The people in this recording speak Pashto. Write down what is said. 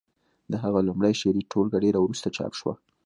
د هغه لومړۍ شعري ټولګه ډېره وروسته چاپ شوه